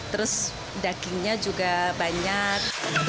terus dagingnya juga banyak